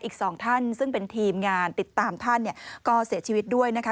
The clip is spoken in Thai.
อีกสองท่านซึ่งเป็นทีมงานติดตามท่านก็เสียชีวิตด้วยนะคะ